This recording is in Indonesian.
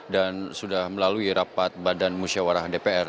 dan sudah melalui rapat badan musyawarah dpr